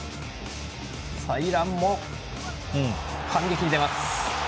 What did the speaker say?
イランも反撃に出ます。